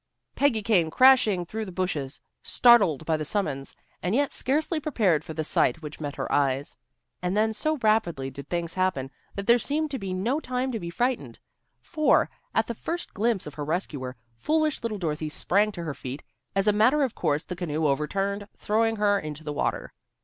Peggy came crashing through the bushes, startled by the summons, and yet scarcely prepared for the sight which met her eyes. And then so rapidly did things happen, that there seemed to be no time to be frightened. For, at the first glimpse of her rescuer, foolish little Dorothy sprang to her feet. As a matter of course the canoe overturned, throwing her into the water.